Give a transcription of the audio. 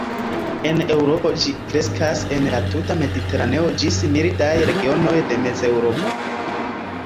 En Eŭropo ĝi kreskas en la tuta mediteraneo ĝis mildaj regionoj de Mezeŭropo.